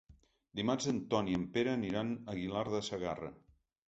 Dimarts en Ton i en Pere aniran a Aguilar de Segarra.